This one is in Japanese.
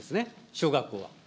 小学校は。